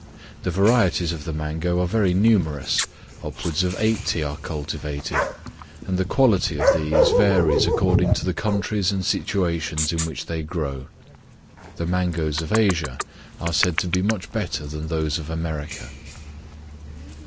The varieties of the mango are very numerous, upwards of eighty are cultivated; and the quality of these varies according to the countries and situations in which they grow. The mangoes of Asia are said to be much better than those of America.